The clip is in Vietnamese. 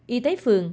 y tế phường